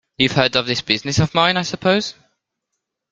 You've heard of this business of mine, I suppose?